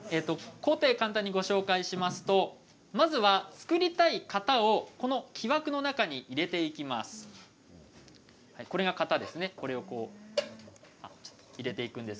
工程を簡単にご紹介しますとまずは作りたい型を木枠の中に入れていきます。